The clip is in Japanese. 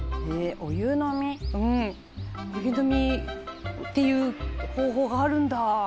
「お湯呑みっていう方法があるんだって」